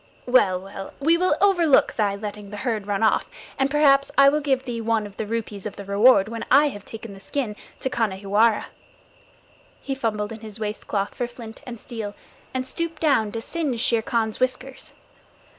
Well, well, we will overlook thy letting the herd run off, and perhaps I will give thee one of the rupees of the reward when I have taken the skin to Khanhiwara." He fumbled in his waist cloth for flint and steel, and stooped down to singe Shere Khan's whiskers.